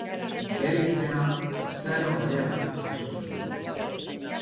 Bere izena, Ozeano Bareagatik jasotzen du.